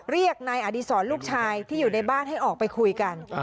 เรียกนายอดีศรลูกชายที่อยู่ในบ้านให้ออกไปคุยกัน